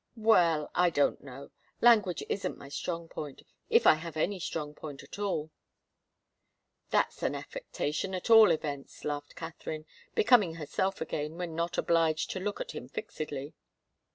"Well I don't know. Language isn't my strong point, if I have any strong point at all." "That's an affectation, at all events!" laughed Katharine, becoming herself again when not obliged to look at him fixedly.